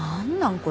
これ。